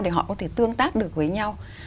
để họ có thể tương tác được với nhau